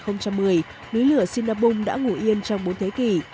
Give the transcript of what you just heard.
năm hai nghìn một mươi núi lửa sinabung đã ngủ yên trong bốn thế kỷ